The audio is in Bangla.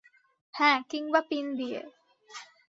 হ্যাঁ, কিংবা পিন দিয়ে।